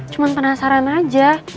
cuma penasaran aja